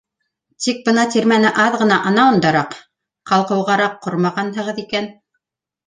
Тик бына тирмәне аҙ ғына анауындараҡ, ҡалҡыуғараҡ ҡормағанһығыҙ икән.